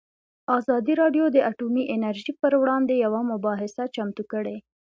ازادي راډیو د اټومي انرژي پر وړاندې یوه مباحثه چمتو کړې.